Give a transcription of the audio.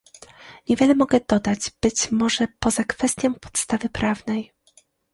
Niewiele mogę dodać, być może poza kwestią podstawy prawnej